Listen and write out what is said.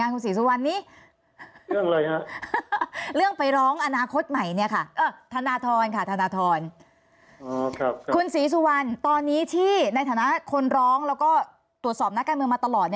คุณศรีสุวรรณตอนนี้ที่ในฐานะคนร้องแล้วก็ตรวจสอบนักการเมืองมาตลอด